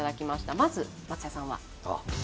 まず、松也さんは？